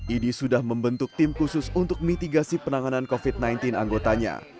idi sudah membentuk tim khusus untuk mitigasi penanganan covid sembilan belas anggotanya